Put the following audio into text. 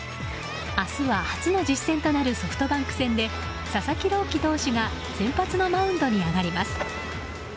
明日は初の実戦となるソフトバンク戦で佐々木朗希投手が先発のマウンドに上がります。